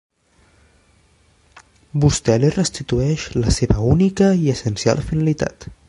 Vostè li restitueix la seva única i essencial finalitat